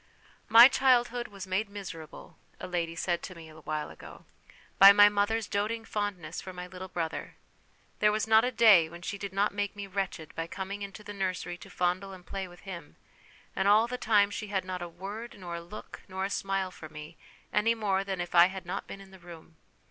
" My childhood was made miserable," a lady said to me a while ago, " by my mother's doting fondness for my little brother ; there was not a day when she did not make me wretched by coming into the nursery to fondle and play with him, and all the time she had not a word nor a look nor a smile for me, any more than if I had not been in the room.